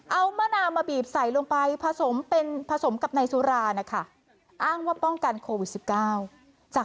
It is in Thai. เอามะนามาบีบใส่ลงไปผสมกับในสุรา